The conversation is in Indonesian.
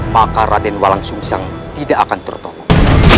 maka raden walang sumseng tidak akan tertolong